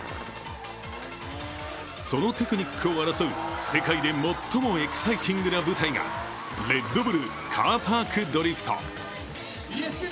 そのテクニックを争う世界で最もエキサイティングな舞台がレッドブル・カーパーク・ドリフト。